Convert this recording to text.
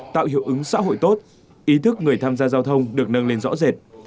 tạo hiệu ứng xã hội tốt ý thức người tham gia giao thông được nâng lên rõ rệt